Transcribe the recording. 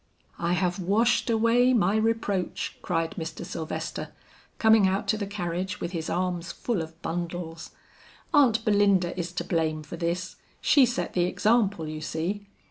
"I have washed away my reproach," cried Mr. Sylvester, coming out to the carriage with his arms full of bundles. "Aunt Belinda is to blame for this; she set the example, you see."